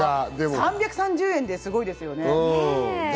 ３３０円ですごいですね。